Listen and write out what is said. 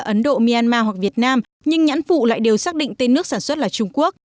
ấn độ myanmar hoặc việt nam nhưng nhãn phụ lại đều xác định tên nước sản xuất là trung quốc